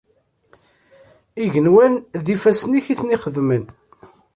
Igenwan, d ifassen-ik i ten-ixedmen.